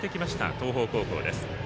東邦高校です。